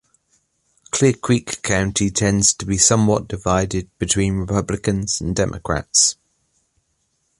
Clear Creek County tends to be somewhat divided between Republicans and Democrats.